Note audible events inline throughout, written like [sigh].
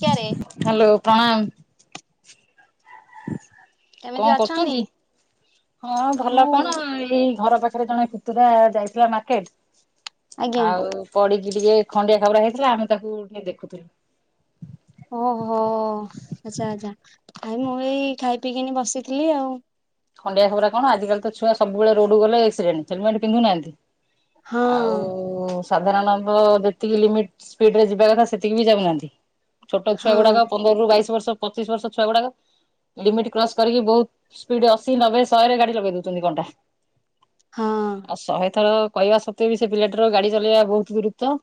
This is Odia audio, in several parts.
କ୍ୟାରେ। ହ୍ୟାଲୋ ପ୍ରଣାମ। କେମିତି କଣ ଅଛନ୍ତି? କରୁଛନ୍ତି ହଁ ଏ ଭଲ ମୁଁ କଣ ଏଇ ଘର ପାଖ ଥରେ ଜଣେ ପତୁରା ଯାଇଥିଲା ମାର୍କେଟ ଆଜ୍ଞା ଆଉ ପଡିକି ଟିକେ ଖଣ୍ଡିଆ ଖାବରା ହେଇଥିଲା ଆମେ ତାକୁ ଟିକେ ଦେଖୁଥିଲୁ। ଓହୋ ଆଚ୍ଛା ଆଚ୍ଛା ନାଇ ମୁଁ ଏଇ ଖାଇ ପିଇକିନି ବସିଥିଲି ଆଉ। ଖଣ୍ଡିଆ ଖାବରା କଣ ଆଜିକାଲି ତ ଛୁଆ ସବୁବେଳେ ରୋଡ ଗଲେ ଆକ୍ସିଡେଟ ହେଲମେଟ ପିନ୍ଧୁନାହାନ୍ତି। ହଁ ଆଉ। ସାଧାରଣତଃ ଯେତିକି ଲିମିଟ ସ୍ପିଡରେ ଯିବା କଥା ସେତିକି ବି ଯାଉନାହାନ୍ତି ଛୋଟ ଛୁଆ ହଁ ଗୁଡାକ। ବାଇଶ ବର୍ଷ ପଚିଶ ବର୍ଷ ଛୁଆ ଗୁଡାକ ଲିମିଟ୍ କ୍ରସ କରିକି ବହୁତ ସ୍ପିଡ୍ ସିଏ ନବେ ଶହେରେ ଗାଡି ଲଗେଇ ଦଉଛନ୍ତି କଣ୍ଟା ହଁ ଆଉ ଶହେ ତ କହିବା ସତ୍ତ୍ୱେ ବି ସେ ପିଲାଟି ର ଗାଡି ଚଲେଇବା ବହୁତ ଗୁରୁତ୍ୱ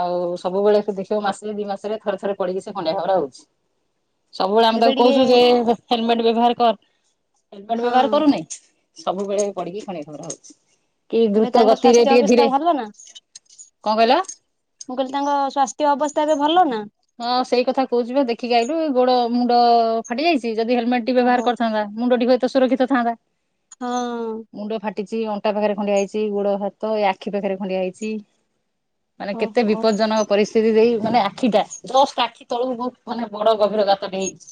ଆଉ ସବୁବେଳେ ଦେଖିବ ମାସରେ ଦି ମାସ ରେ ଥରେ ଥରେ ପଡିକି ସେ ଖଣ୍ଡିଆ ଖାବରା ହଉଛି। ସବୁବେଳେ ଆମେ ଏବେ ତାକୁ ଟିକେ କହୁଛୁ ଯେ ହେଲମେଟ ବ୍ୟବହାର କର ହେଲମେଟ ବ୍ୟବହାର ହଁ କରୁନି ସବୁବେଳେ ପଡିକି ଖଣ୍ଡିଆ ଖାବରା ହଉଛି। କି ଏବେ ଦ୍ରୁତ ତାଙ୍କ ଗତିରେ ସ୍ୱାସ୍ଥ୍ୟ ଟିକେ ଅବସ୍ଥା ଧୀରେ ଭଲ ନା? କଣ କହିଲ? ମୁଁ କହିଲି ତାଙ୍କ ସ୍ୱାସ୍ଥ୍ୟ ଅବସ୍ଥା ଏବେ ଭଲ ନା? ହଁ ସେଇ କଥା କହୁଛି ବା ଦେଖିକି ଆଇଲୁ ଏ ଗୋଡ ମୁଣ୍ଡ ଫାଟି ଯାଇଛି ଯଦି ହେଲମେଟ ଓହୋ ବ୍ୟବହାର କରିଥାନ୍ତା ମୁଣ୍ଡଟି ହୁଏତ ସୁରକ୍ଷିତ ଥାନ୍ତା। ହଁ। ମୁଣ୍ଡ ଫାଟିଛି ଅଣ୍ଟା ପାଖରେ ଖଣ୍ଡିଆ ହେଇଛି ଗୋଡ ହାତ ଆଖି ପାଖରେ ଖଣ୍ଡିଆ ହେଇଛି। ମାନେ କେତେ ଓହୋ ବିପଦଜନକ ପରିସ୍ଥିତି ଦେଇ ମାନେ ଆଖିଟା। ଯୋଷ୍ଟ ଆଖି ତଳକୁ ବହୁତ ମାନେ ବଡ ଗଭୀର ଗାତଟି ହେଇଛି।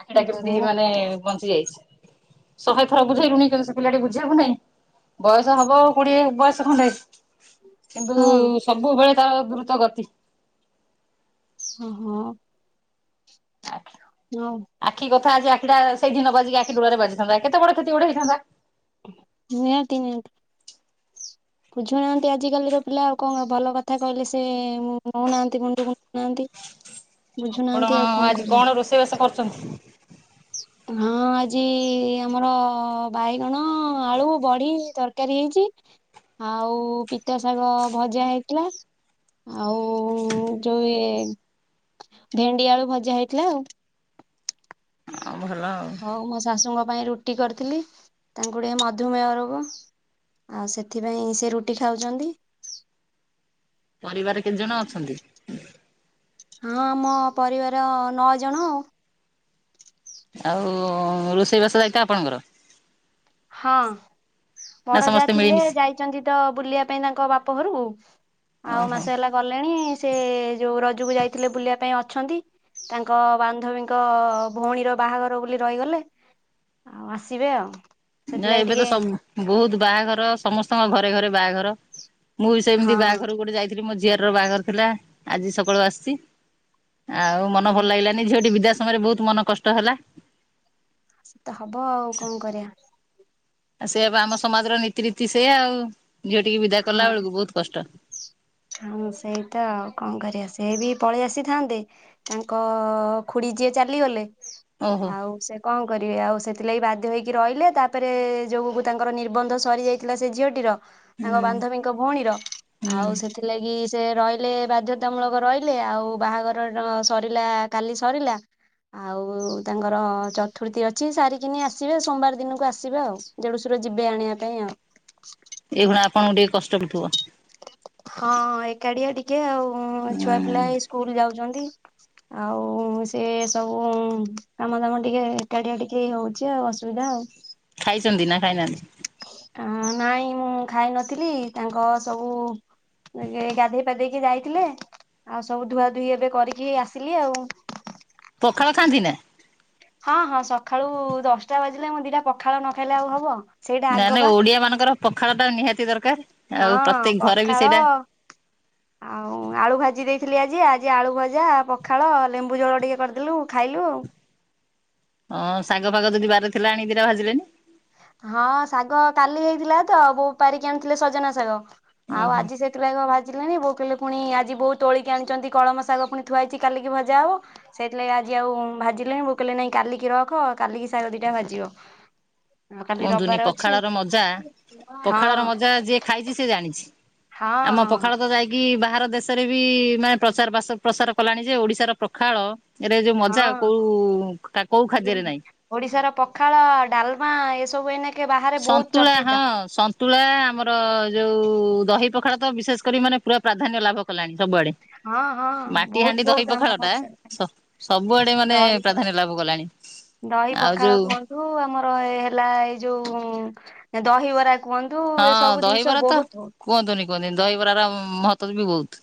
ଆଖିଟା ଓହୋ କେମିତି ମାନେ ବଞ୍ଚି ଯାଇଛି ଶହେ ଥର ବୁଝେଇଲୁଣି କିନ୍ତୁ ସେ ପିଲାଟି ବୁଝିବାକୁ ନାଇଁ ବୟସ ହବ କୋଡିଏ ବୟସ ଖଣ୍ଡେ କିନ୍ତୁ ହଁ ସବୁବେଳେ ତାର ଦ୍ରୁତ ଗତି। ଓହୋ। ଆଜ୍ଞା। [unintelligible] ଆଖି କଥା ଆଜି ଆଖିଟା ସେଇଠି ନ ବାଜିକି ଆଖି ଡଳାରେ ବାଜିଥାନ୍ତା କେତେ ବଡ କ୍ଷତି ଗୋଟେ ହେଇଥାନ୍ତା। ନିହାତି ନିହାତି। ବୁଝୁନାହାନ୍ତି ଆଜିକାଲିର ପିଲା ଆଉ କଣ ଭଲ କଥା କହିଲେ ସେ ନେଉନାହାନ୍ତି ମୁଣ୍ଡକୁ ନଉନାହାନ୍ତି। ହ ଆପଣ ଆଜି କଣ ରୋଷେଇବାସ କରିଛନ୍ତି? ହଁ ଆଜି ଆମର ବାଇଗଣ ଆଳୁ ବଡି ତର କାରୀ ହେଇଚି, ଆଉ ପିତା ଶାଗ ଭଜା ହେଇଥିଲା। ଆଉ ଯୋଉ ଇଏ ଭେଣ୍ଡି ଆଳୁ ଭଜା ହେଇଥିଲା ଆଉ। ଭଲ ଆଉ ହଉ ମୋ ଶାଶୁଙ୍କ ପାଇଁ ରୁଟି କରିଥିଲି ତାଙ୍କୁ ଟେକେ ମଧୁମେହ ରୋଗ। ଆଉ ସେଥିପାଇଁ ସେ ରୁଟି ଖାଉଚନ୍ତି। ପରିବାର କେତେ ଜଣ ଅଛନ୍ତି? ହଁ ମୋ ପରିବାର ନଅ ଜଣ ଆଉ। ଆଉ ରୋଷେଇ ବାସ ଏକା ଆପଣଙ୍କର? ହଁ ନା ବଡ ଯା ସମସ୍ତେ ଥିଲେ ମିଳିମିଶି ଯାଇ ଚନ୍ତି ତ ବୁଲିବା ପାଇଁ ତାଙ୍କ ବାପ ଘରୁକୁ ଆଉ ଓହୋ। ମାସେ ହେଲା ଗଲେଣି ସେ ଯୋଉ ରଜକୁ ଯାଇଥିଲେ ବୁଲିବା ପାଇଁ ଅଛନ୍ତି ତାଙ୍କ ବାନ୍ଧବୀଙ୍କ ଭଉଣୀର ବାହାଘର ବୋଲି ରହିଗଲେ ଆସିବେ ଆଉ। ନାଇଁ ସେଥିଲାଗି ଏବେ ତ ଟିକେ ସବୁ ବହୁତ ବାହାଘର ସମସ୍ତଙ୍କ ଘରେ ଘରେ ବାହାଘର ମୁଁ ବି ସେମିତି ହଁ ବାହାଘରକୁ ଗୋଟେ ଯାଇଥିଲି, ମୋ ଝିଆରୀର ବାହାଘର ଥିଲା ଆଜି ସକାଳୁ ଆସିଚି ଆଉ ମନ ଭଲ ଲାଗିଲାନି ଝିଅଟି ବିଦା ସମୟରେ ବହୁତ ମନ କଷ୍ଟ ହେଲା ସେ ତ ହବ ଆଉ କଣ କରିବା। ଆ ସେ ବା ଆମ ସମାଜର ନୀତିରୀତି ସେଇଆ ଆଉ ଝିଅ ଟିକେ ବିଦା ହଁ କଲା ବେଳକୁ ବହୁତ କଷ୍ଟ। ହଁ ସେଇ ତ ଆଉ କଣ କରିବା ସେ ବି ପଳେଇ ଆସିଥାନ୍ତେ ତାଙ୍କ ଖୁଡି ଯିଏ ଚାଲିଗଲେ ଓହୋ ଆଉ ସେ କଣ କରିବେ ଆଉ ସେଥିଲାଗି ବାଧ୍ୟ ହେଇକି ରହିଲେ ତାପରେ ଯୋଗକୁ ତାଙ୍କର ନିର୍ବନ୍ଧ ସରିଯାଇଥିଲା ସେ ଝିଅଟିର ହୁଁ ତାଙ୍କ ବାନ୍ଧବୀଙ୍କ ଭଉଣୀର ହୁଁ ଆଉ ସେ ଠି ସେ ରହିଲେ ବାଧ୍ୟତାମୂଳକ ରହିଲେ ଆଉ ବାହାଘର ସରିଲା କାଲି ସରିଲା ଆଉ ତାଙ୍କର ଚତୁର୍ଥୀ ଅଛି ସାରିକିନି ଆସିବେ ସୋମବାର ଦିନକୁ ଆସିବେ ଆଉ। ଦେଢସୁର ଯିବେ ଆଣିବା ପାଇଁ ଆଉ। ଏଗୁଡା ଆପଣଙ୍କୁ ଟିକେ କଷ୍ଟ ହଉଥିବ? ହଁ ଏକାଟିଆ ଟିକେ ଆଉ ଛୁଆ ପିଲା ଏଇ ସ୍କୁଲ ଯାଉଚନ୍ତି ଆଉ ସେ ସବୁ ଉଁ କାମ ଦାମ ଟିକେ ଏକାଟିଆ ଟିକେ ହଉଚି ଆଉ ଅସୁବିଧା ଆଉ। ଖାଇଚନ୍ତି ନା ଖାଇନାହାନ୍ତି? ଆଁ ନାଇଁ ମୁଁ ଖାଇ ନଥିଲି ତାଙ୍କ ସବୁ [unintelligible] ଗାଧେଇ ପାଧେଇକି ଯାଇଥିଲେ ଆଉ ସବୁ ଧୁଆ ଧୁଇ ଏବେ କରିକି ଆସିଲି ଆଉ। ପଖାଳ ଖାଆନ୍ତି ନା? ହଁ ହଁ ସକାଳୁ ଦଶଟା ବାଜିଲେ ମୁଁ ଦିଟା ପଖାଳ ନଖାଇଲେ ଆଉ ହବ। ସେଇଟା ନା ଆଗ ନା ବା ଓଡିଆ ମାନଙ୍କର ପଖାଳ ଟା ନିହାତି ଦରକାର ଆଉ ହଁ ପ୍ରତ୍ୟେକ ଘରେ ବି ପଖାଳ ସେଇଟା ଆଉ ଆଳୁ ଭାଜି ଦେଇଥିଲି ଆଜି, ଆଜି ଆଳୁ ଭଜା ପଖାଳ ଲେମ୍ବୁ ଝୋଳ ଟିକେ କରିଦେଲୁ ଖାଇଲୁ ଆଉ। ଅଁ ଶାଗ ଫାଗ ଯଦି ବାରିରେ ଥିଲା ଆଣି ଦିଟା ଭାଜିଲେନି? ହଁ ଶାଗ କାଲି ହେଇଥିଲା ତ ବୋଉ ପାରିକି ଆଣିଥିଲେ ସଜନା ଶାଗ ଆଉ ଓହୋ। ଆଜି ସେ ଥିଲାଗି ଆଉ ଭାଜିଲେନି ବୋଉ କହିଲେ ପୁଣି ଆଜି ବୋଉ ତୋଳି ଆଣିଚନ୍ତି କଳମ ଶାଗ ପୁଣି ଥୁଆହେଇଚି କାଲିକି ଭଜା ହବ ସେଥିଲାଗି ଆଜି ଆଉ ଭାଜିଲେଣି ବୋଉ କହିଲେ ନାଇଁ କାଲିକି ରଖ କାଲିକି ଶାଗ ଦିଟା ଭାଜିବ। ଆଉ କାଲି କୁହନ୍ତୁନି ରବିବାର ଅଛି ପଖାଳ ର ମଜା ପଖାଳର ହଁ ମଜା ଯିଏ ଖାଇଚି ଯିଏ ସିଏ ଜାଣିଚି ହଁ ଆମ ପଖାଳ ତ ଯାଇ କି ବାହାର ଦେଶରେ ବି ମାନେ ପ୍ରଚାର ବାସ ପ୍ରସାର କଲାଣି ଯେ ଓଡିଶାର ପଖାଳ ରେ ଯୋଉ ହଁ ମଜା ହଁ। କୋଉ କା କୋଉ ଖାଦ୍ୟରେ ନାଇଁ। ଓଡିଶାର ପଖାଳ ଡାଲମା ଏସବୁ ଏଇନେ ସନ୍ତୁଳା ହଁ ସନ୍ତୁଳା ଆମର ଯୋଉ ଦହି ପଖାଳ ତ ବିଶେଷ କରି ମାନେ ପୁରା ପ୍ରାଧାନ୍ୟ ଲାଭ କଲାଣି ସବୁଆଡେ। ହଁ ହଁ ମାଟି ବହୁତ ହାଣ୍ଡି ଦହି ବହୁତ ଆମ ପଖାଳ ଟା ଓଡିଶାରେ ସ ସବୁଆଡେ ମାନେ ଦହି ପ୍ରାଧାନ୍ୟ ଲାଭ କଲାଣି। ଦହି ଆଉ ପଖାଳ ଯୋଉ କୁହନ୍ତୁ ଆମର ଏ ହେଲା ଏଇ ଯୋଉ ଦହିବରା କୁହନ୍ତୁ ହଁ ଏ ସବୁ ଜିନିଷ ଦହିବରା ତ ବହୁତ କୁହନ୍ତୁନି କୁହନ୍ତୁନି ଦହିବରାର ମହତ୍ୱ ବି ବହୁତ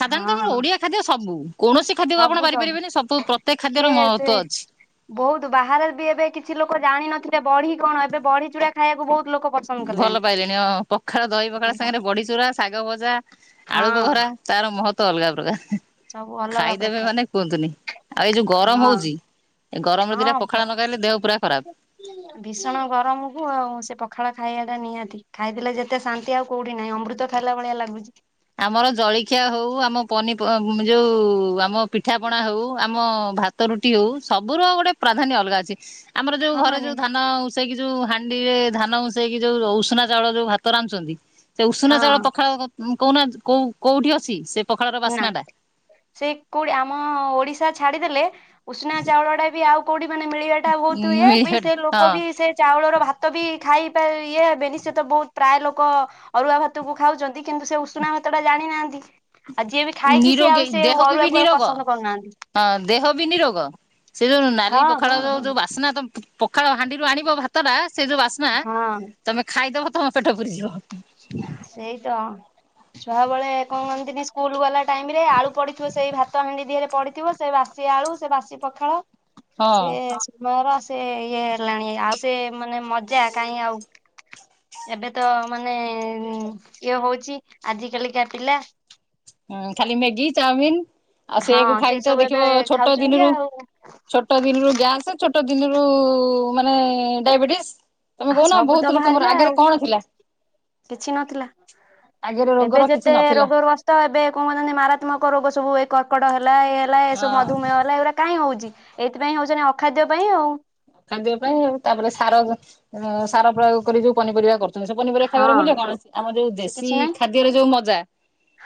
ସାଧାରଣତଃ ଆମର ହଁ ଓଡିଆ ଖାଦ୍ୟ ସବୁ କୌଣସି ଖାଦ୍ୟକୁ ଆପଣ ବାରିପାରିବେନି ସବୁ ପ୍ରତ୍ୟେକ ଖାଦ୍ୟର କିଏ ସେ ମହତ୍ୱ ଅଛି। ବହୁତ ବାହାରେ ବି ଏବେ କିଛି ଲୋକ ଜାଣିିନଥିଲେ ବଢି କଣ ଏବେ ବଢି ଚୂରା ଖାଇବାକୁ ବହୁତ ଲୋକ ପଛ୍ ଭଲ ପାଇଲେଣି ହଁ ପଖାଳ ଦହି ପଖାଳ ସାଙ୍ଗରେ ବଢି ଚୁରା ଶାଗ ଭଜା ଆଳୁ ହଁ ବଘରା। ତାର ମହତ୍ଵ ଅଲଗା ପ୍ରକାର। ସବୁ ଅଲଗା ଖାଇଦେବେ ପ୍ରକାର ମାନେ କୁହନ୍ତୁନି ଆଉ ଏଇ ଯୋଉ ଗରମ ହଁ ହଉଛି ଏ ଗରମ ଦିନେ ହଁ ପ୍ର ପଖାଳ ନଗାଇଲେ ଦେହ ପୁରା ଖରାପ। ଭୀଷଣ ଗରମ କୁ ଆଉ ସେ ପଖାଳ ଖାଇବା ଟା ନିହାତି ଖାଇଦେଲେ ଯେତେ ଶାନ୍ତି ଆଉ କୋଉଠି ନାଇଁ ଅମୃତ ଖାଇଲା ଭଳିଆ ଲାଗୁଛି। ଆମର ଜଳିଖିଆ ହଉ ଆମ ପନିପମ ଯୋଉ ଆମ ପିଠା ପଣା ହଉ ଆମ ଭାତ ଭାତ ରୁଟି ହଉ ସବୁର ଗୋଟେ ପ୍ରାଧାନ୍ୟ ଅଲଗା ଅଛି ଆମର ଯୋଉ ହଁ ଘରେ ନି ଯୋଉ ଧାନ ଆଉ ଉଁସେଇକି ଯୋଉ ହାଣ୍ଡିରେ ଧାନ ଉଁସେଇକି ଯୋଉ ର ଉଷୁନା ଚାଉଳ ଯୋଉ ଭାତ ରାନ୍ଧୁଛନ୍ତି। ସେ ଉଷୁନା ହଁ ଚାଉଳ ପଖାଳ କ କଉନା କୋଉ କୋଉଠି ଅଛି ସେ ପଖାଳର ନା ବାସ୍ନା ଟା। ସେ କୋଉଠି ଆମ ଓଡ଼ିଶା ଛାଡିଦେଲେ ଉଷୁନା ଚାଉଳଟା ବି ଆଉ କୋଉଠି ମାନେ ମିଳିବାଟା ବହୁତ ଇଏ ବି ସେ ଲୋକ ହଁ ବି ସେ ଚାଉଳର ଭାତ ତ ବି ଖାଇପା ଇଏ ହେବେନି ସେ ତ ବହୁତ ପ୍ରାୟ ଲୋକ ଅରୁଆ ଭାତକୁ ଖାଉଛନ୍ତି କିନ୍ତୁ ସେ ଉଷୁନା ଭାତ ଟା ଜାଣିନାହାନ୍ତି। ଆଉ ଯିଏ ବି ଖାଇଛି ସେ ନିରୋଗୀ ଆଉ ସେ ଦେହକୁ ବି ଅରୁଆକୁ ଆଉ ନିରୋଗ ପସନ୍ଦ କରୁନାହାନ୍ତି। ହଁ ଦେହ ବି ନିରୋଗ ସେ ଯୋଉ ନାଲି ହଁ ହଁ ପଖାଳର ହଁ। ଯୋଉ ବାସ୍ନା ତମ ପଖାଳ ହାଣ୍ଡିରୁ ଆଣିବ ଭାତ ଟା ସେ ଯୋଉ ବାସ୍ନା ହଁ ତମେ ଖାଇଦବ ତମ ପେଟ ପୁରିଯିବ। ସେଇ ତ। ଛୁଆବେଳେ କହନ୍ତିନି ସ୍କୁଲ ଗଲା ଟାଇମ ରେ ଆଳୁ ପଡି଼ଥିବ ସେଇ ଭାତ ହାଣ୍ଡି ଦିହରେ ପଡିଥିବ ସେ ବାସ ସେ ଆଳୁ ସେ ବାସି ପଖାଳ। ହଁ। ସେ ସମୟର ସେ ଇଏ ହେଲାଣି ଆଉ ସେ ମାନେ ମଜା କାହିଁ ଆଉ। ଏବେ ତ ମାନେ ଇଏ ହଉଚି ଆଜି କାଲିକା ପିଲା। ହଁ ଖାଲି ମେଗି ଚାଉମିିନ ଆଉ ହଁ ସେଇଆକୁ ସେ ଖାଇକି ତ ସବୁ ଏବେ ଦେଖିବ ଛୋଟ ଖାଉଛନ୍ତି ଦିନରୁ ଆଉ ଛୋଟ ଦିନରୁ ଗ୍ୟାସ ଛୋଟ ଦିନରୁ ମାନେ ଡ଼ାଇବେଟିସ୍। ତମେ କହୁନ ସବୁ ତ ବହୁତ ଲୋକଙ୍କର ବାହାରିଲା ଆଗରେ ଆଉ କଣ ଥିଲା। କିଛି ନଥିଲା ଆଗରେ ଏବେ ରୋଗର କିଛି ଯେତେ ନଥିଲା ରୋଗରୁଆ ସ ତ ଏବେ କଣ କହୁଛନ୍ତି ମାରାତ୍ମକ ରୋଗ ସବୁ ଏ କର୍କଟ ହେଲା ଏଇ ହେଲା ଏ ହଁ ସବୁ ମଧୁମେହ ହେଲା ଏଗୁରା କାଇଁ ହଉଛି ଏଥିପାଇଁ ହଉଛି ନା ଅଖାଦ୍ୟ ପାଇଁ ଆଉ। ଖାଦ୍ୟ ପାଇଁ ଆଉ ତାପରେ ସାର ହଁ ସାର ପ୍ରୟୋଗ କରି ଯୋଉ ପନିପରିବା କରୁ ତ ସେ ପନିପରିବା ଖାଇବାର ହଁ ମୂଲ୍ୟ କଣ ସି ଆମର ଯୋଉ ସେ ଦେଶୀ କିଛି ନାହିଁ ଖାଦ୍ୟରେ ଯୋଉ ମଜା।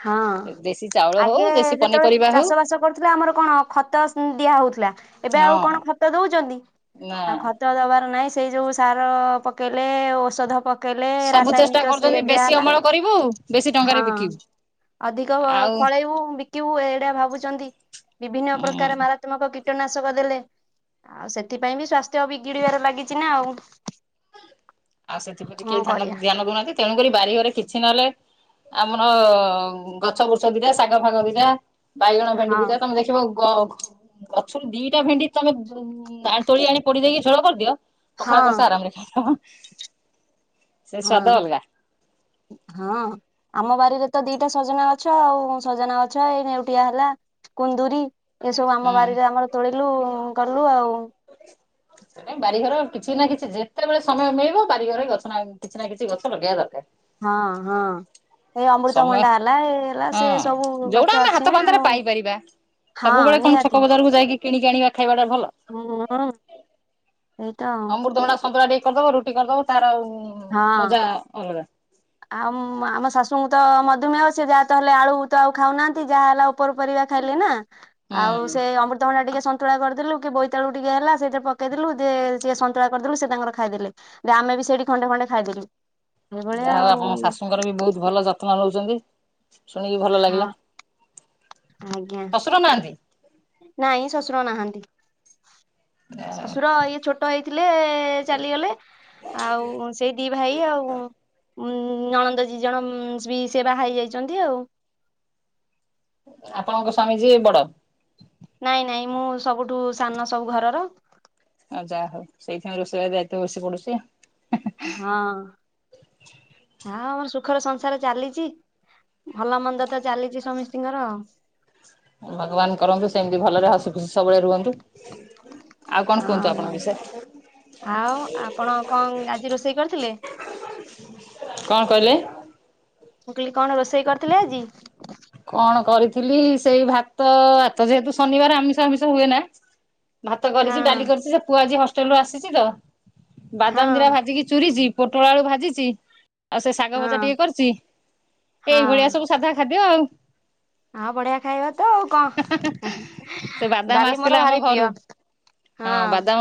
ହଁ ଦେଶୀ ଚାଉଳ ଆଗେ ହଉ ଦେଶୀ ଯେତେବେଳେ ପନିପରିବା ହଉ। ଚାଷ ବାସ କରୁଥିଲେ। ଆମର କଣ ଖତ ସ୍ ଉଁ ଦିଆ ହଉଥିଲା ଏବେ ହଁ ଆଉ କଣ ଖତ ଦଉଚନ୍ତି ନା ଆଉ ଖ ତ ଦବାର ନାଇଁ ସେଇ ଯୋଉ ସାର ପକେଇଲେ ଔଷଧ ପକେଇଲେ ସବୁ ଚେଷ୍ଟା ରାସାୟନିକ କରୁଛନ୍ତି ସେୟା ବେଶୀ ଅମଳ କରିବୁ ବେଶୀ ଟଙ୍କାରେ ବିକିବୁ। ଅଧିକ ଆଉ ଫଳେଇବୁ ବିକିବୁ ଏଇଟା ଭାବୁଚନ୍ତି ବିଭିନ୍ନ ଉଁ ପ୍ରକାର ମା ମାରାତ୍ମକ କୀଟନାଶକ ଦେଲେ। ଆଉ ସେଥିପାଇଁ ବି ସ୍ଵାସ୍ଥ୍ୟ ବିଗିଡି଼ବାର ଲାଗିଚି ନା ଆଉ। ଆଉ ସେଥିପ୍ରତି କଣ କେହି ଧ୍ୟାନ କରିବା। ଦ୍ୟାନ ଦଉନାହାନ୍ତି ତେଣୁକରି ବାରି ଘରେ କିଛି ନହେଲେ ଆମର ଗଛ ବୁରଛ ଦିଟା ଶାଗ ଫାଗ ଦିଟା ବାଇଗଣ ଭେଣ୍ଡି ହଁ ଦିଟା ତମେ ଦେଖିବ ଗ ଗଛୁରୁ ଦିଇଟା ଭେଣ୍ଡି ତମେ ଉଁ ଆ ତୋଳି ଆଣି ପୋଡି଼ ଦେଇକି ଝୋଳ କରିଦିଅ ପଖାଳ ହଁ କଂସା ଆରାମରେ ଖାଇଦବ। ସେ ସ୍ଵାଦ ଅଲଗା। ହଁଅଁ ଆମ ବାରିରେ ତ ଦିଟା ସଜନା ଗଛ ଆଉ ସଜନା ଗଛ ଏଇ ନେଉଟିଆ ହେଲା କୁନ୍ଦୁରୀ ଏ ସବୁ ଆମ ହୁଁ। ବାରିରେ ଆମର ତୋଳିଲୁ ଗଲୁ ଆଉ। ବାରିଘର କିଛି ନା କିଛି ଯେତେବେଳେ ସମୟ ମିଳିବ ବାରିଘର ଗଛ ନା କିଛି ନା କିଛି ଗଛ ଲଗେଇଆ ଦରକାର। ହଁଅଁ ହଁଅଁ। ଏଇ ସମୟ ଅମୃତଭଣ୍ଡା ହେଲା ଏଇ ହେଲା ସେ ହଁ ସବୁ ଯୋଉଟା ଗଛ ଆମେ ହାତ ଅଛି ନା ପାନ୍ତାରେ ଆଉ। ପାଇପାରିବା। ହଁ ସବୁବେଳେ କଣ ନିହାତି ଛକ ବଜାରକୁ ଯାଇକି କିଣିକି ଆଣିବା ଖାଇବାଟା ଭଲ। ହୁଁ ସେଇତ ଆଉ। ଅମୃତଭଣ୍ଡା ସନ୍ତୁଳା ଟିକେ କରିଦବ ରୁ ଟି କରିଦବ ତାର ଉଁ ହଁ ମଜା ଅଲଗା। ଆଉ ଉମ ଆମ ଶାଶୁଙ୍କୁ ତ ମଧୁମେହ ସେ ଯାହା ତ ହେଲେ ଆଳୁ ତ ଆଉ ଖାଉନାହାନ୍ତି ଯାହା ହେଲା ଉପର ପରିବା ଖାଇଲେନା ଆଉ ସେ ହୁଁ ଅମୃତଭଣ୍ଡା ଟିକେ ସ ନ୍ତୁଳା କରିଦେଲୁ କି ବୋଇତାଳୁ ଟିକେ ହେଲା ସେଇଥେରେ ପକେଇଦେଲୁ ଦେ ସିଏ ସନ୍ତୁଳା କରିଦେଲୁ ସେ ତାଙ୍କର ଖାଇଦେଲେ। ଦେ ଆମେବି ସେଇଠି ଖଣ୍ଡେ ଖଣ୍ଡେ ଖାଇଦେଲୁ। ଏଇଭଳିଆ ଯାହା ହଉ ଆଉ ଆପଣଙ୍କ ଶାଶୁଙ୍କର ବି ବହୁତ୍ ଭଲ ଯତ୍ନ ନୋଉଚନ୍ତି ଶୁଣିକି ଭଲ ହଁ ଲାଗିଲା। ଆଜ୍ଞା। ଶଶୁର ନାହାନ୍ତି ନାଇଁ ଶଶୁର ନାହାନ୍ତି। ଶଶୁର ଇଏ ଛୋଟ ହେଇଥିଲେ ଚାଲିଗଲେ। ଆଉ ଉଁ ସେଇ ଦି ଭାଇ ଆଉ ଉଁ। ଉଁ ଉଁ ଉଁ ନଣନ୍ଦ ଜୀ ଜଣ ଉଁ ଉଁ ଉମ୍ସ ବି ସେ ବାହାହେଇ ଯାଇଚନ୍ତି ଆଉ। ଆପଣଙ୍କ ସ୍ଵାମୀ ଯିଏ ବଡ। ନାଇଁ ନାଇଁ ମୁଁ ସବୁଠୁ ସାନ ସବୁ ଘରର। ଆଉ ଯାହା ହଉ ସେଇଥିପାଇଁ ରୋଷେଇ ଘର ଦାୟିତ୍ୱ ବେସି ପଡୁଚି ଆଉ। ହେଁ ହେଁ। ହଁଅଁ ଆ ଆମର ସୁଖର ସଂସାର ଚାଲିଚି। ଭଲ ମନ୍ଦ ତ ଚାଲିଚି ସମିସ୍ତିଙ୍କର ଆଉ। ଭଗବାନ କରନ୍ତୁ ସେମିତି ଭଲରେ ହସି ଖୁସି ସବୁବେଳେ ରୁହନ୍ତୁ। ଆଉ କଣ କୁହନ୍ତୁ ହଁଅଁ ଆପଣଙ୍କ ଭଲ। ବିଷୟରେ ଆଉ ଆପଣ କଂ ଆଜି ରୋଷେଇ କରିଥିଲେ? କଣ କଇଲେ? ମୁ କଇଲି କଣ ରୋଷେଇ କରିଥିଲେ ଆଜି? କଣ କରିଥିଲି ସେଇ ଭାତ ଆତ ଯେହେତୁ ଶନିବାର ଆମିଷ ହାମିଷ ହୁଏ ନା। ଭାତ ହଁ କରିଛି ଡାଲି କରିଛି ସେ ପୁଅ ଆଜି ହଷ୍ଟେଲ୍ ରୁ ଆସିଛି ତ ହଁ ବାଦାମ ଦିଟା ଭାଜିକି ଚୁରିଚି ପୋଟଳ ଆଳୁ ଭାଜିଚି, ଆଉ ସେ ଶାଗ ହଁ ଭଜା ଟିକେ କରିଚି ହଁ ଏଇଭଳିଆ ସବୁ ସାଧା ଖାଦ୍ୟ ଆଉ। ଆଉ ବଢିଆ ଖାଇବା ତ ଆଉ ସେ କଁ। ବାଦାମ ଡାଲି ଆସିଥିଲା ମୋର ଆମ ଭାରି ପ୍ରିୟ ହଁ।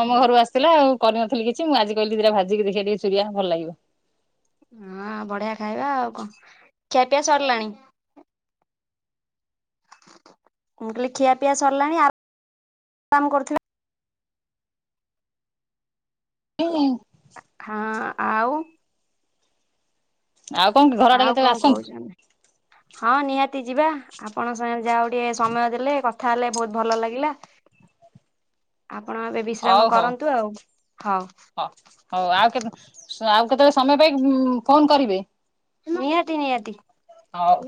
ମୋ ଘରୁ ଆସିଥିଲା ଆଉ କରିନଥିଲି କିଛି ମୁଁ ଆଜି କହିଲି ଦିଟାଭାଜିକି ଦେଖିବା ଟିକେ ଚୂରିଆ ଭଲ ଲାଗିବ। ହଁ ବଢିଆ ଖାଇବା ଆଉ କଣ ଖିଆପିଆ ସରିଲାଣି। ମୁଁ କହିଲି ଖିଆ ପିଆ ସରିଲାଣି ଆଉ ଆରାମ କରୁଥିବେ। ହଁ ଆଉ। ଆଉ କଣ କି ଘର ଆଡେ ଆଉ କେତେବେଳେ କଣ ଆସନ୍ତୁ। କହୁଛନ୍ତି? ହଁ ନିହାତି ଯିବା। ଆପଣ ସାଙ୍ଗ ଯାହା ଟିକେ ସମୟ ଦେଲେ କଥା ହେଲେ ବହୁତ ଭଲ ଲାଗିଲା। ଆପଣ ଏବେ ବିଶ୍ରାମ କରନ୍ତୁ ଆଉ ହଉ। ହଁ ହଉ ଆଉ କେ ଆଉ କେତେବେଳେ ସମୟ ପାଇକି ଫୋନ କରିବେ। ନିହାତି ନିହାତି ହଉ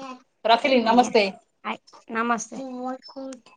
ରଖିଲି ଆଜ୍ଞା। ନମସ୍ତେ। ଆ ନମସ୍ତେ।